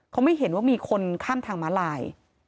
เขาไม่เห็นว่ามีคนข้ามทางม้าลาย